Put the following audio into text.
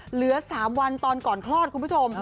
เหลือสามวันตอนก่อนครอบครอบคุณผู้ชม